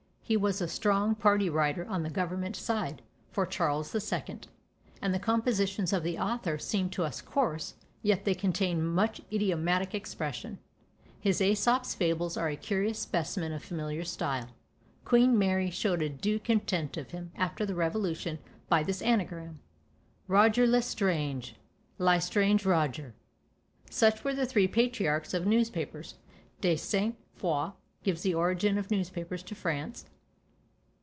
He was a strong party writer on the government side, for Charles the Second, and the compositions of the author seem to us coarse, yet they contain much idiomatic expression. His Æsop's Fables are a curious specimen of familiar style. Queen Mary showed a due contempt of him, after the Revolution, by this anagram: Roger L'Estrange, Lye strange Roger! Such were the three patriarchs of newspapers. De Saint Foix gives the origin of newspapers to France.